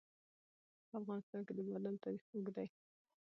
په افغانستان کې د بادام تاریخ اوږد دی.